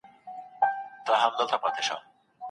ذهن مو د مثبتو خاطرو په رڼا روښانه کړئ.